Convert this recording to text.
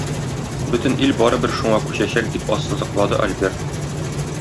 Бөтен ил барыбер шуңа күчәчәк, - дип ассызыклады Альберт.